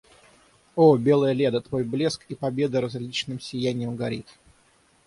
О, белая Леда, твой блеск и победа различным сияньем горит.